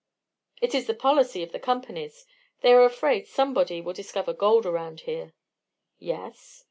"It is the policy of the Companies. They are afraid somebody will discover gold around here." "Yes?"